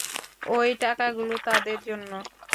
ওই টাকাগুলো তাদের জন্য।